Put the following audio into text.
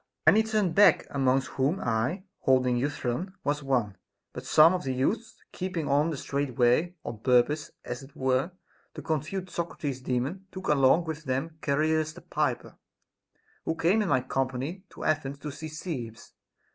Many turned back, amongst whom I, holding Euthyphron, was one ; but some of the youths keeping on the straight way, on purpose (as it were) to confute Socrates's Daemon, took along with them Char illus the piper, who came in my company to Athens to see Cebes.